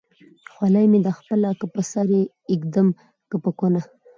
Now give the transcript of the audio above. خولۍ مې ده خپله که په سر يې ايږدم که په کونه